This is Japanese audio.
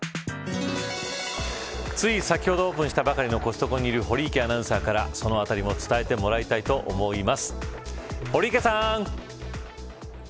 つい先ほどオープンしたばかりのコストコにいる堀池アナウンサーからそのあたりもお伝えしてもらいたいと思います。